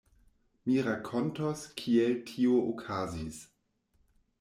Mi rakontos, kiel tio okazis.